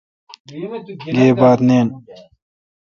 گیب بات نین۔